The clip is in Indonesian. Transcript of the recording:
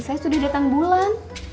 saya sudah datang bulan